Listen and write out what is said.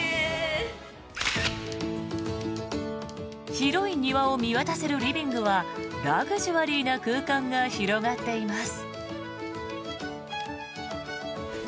広い庭を見渡せるリビングはラグジュアリーな空間が広がっています。